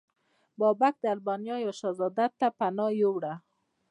بابک د البانیا یو شهزاده ته پناه یووړه.